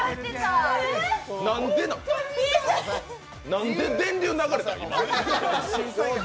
なんで電流、流れたん、今？